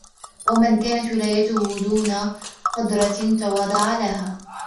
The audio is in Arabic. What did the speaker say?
وَمَنْ كَانَتْ وِلَايَتُهُ دُونَ قُدْرَةٍ تَوَاضَعَ لَهَا